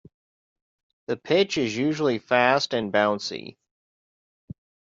The pitch is usually fast and bouncy.